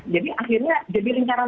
jadi akhirnya jadi lingkaran